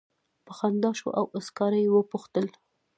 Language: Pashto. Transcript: په خندا شو او سکاره یې وپوښتل.